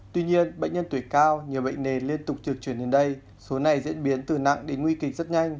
tuy nhiên bệnh nhân tuổi cao nhiều bệnh nền liên tục trực chuyển đến đây số này diễn biến từ nặng đến nguy kịch rất nhanh